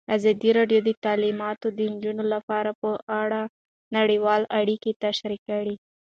ازادي راډیو د تعلیمات د نجونو لپاره په اړه نړیوالې اړیکې تشریح کړي.